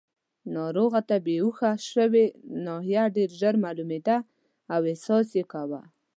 ناروغ ته بېهوښه شوې ناحیه ډېر ژر معلومېده او احساس یې کاوه.